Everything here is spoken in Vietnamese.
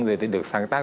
để được sáng tác